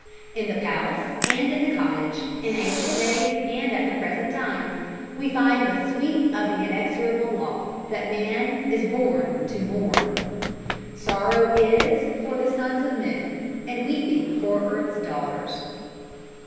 In the palace and in the cottage, in ancient days and at the present time, we find the sweep of the inexorable law, that man is born to mourn. "Sorrow is for the sons of men, And weeping for earth's daughters."